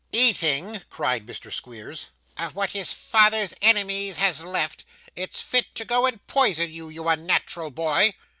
'Eating!' cried Mr. Squeers, 'of what his father's enemies has left! It's fit to go and poison you, you unnat'ral boy.